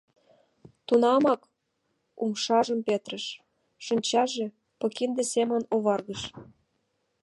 Тунамак умшажым петырыш, шинчаже подкинде семын оваргыш.